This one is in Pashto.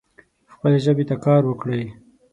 خپلې ژبې ته کار وکړئ